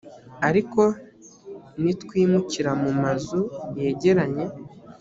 ariko nitwimukira mu mazu yegeranye